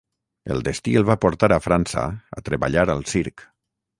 El destí el va portar a França a treballar al circ.